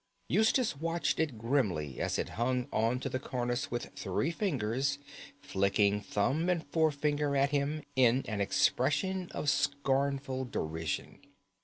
Eustace watched it grimly as it hung on to the cornice with three fingers, flicking thumb and forefinger at him in an expression of scornful derision.